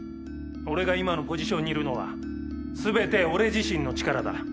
俺が今のポジションにいるのはすべて俺自身の力だ！